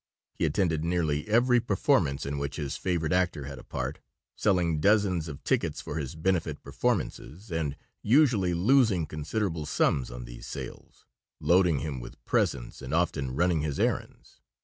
He attended nearly every performance in which his favorite actor had a part, selling dozens of tickets for his benefit performances and usually losing considerable sums on these sales, loading him with presents and often running his errands.